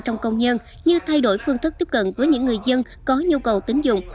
trong công nhân như thay đổi phương thức tiếp cận với những người dân có nhu cầu tín dụng